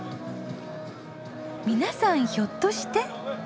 皆さんひょっとして？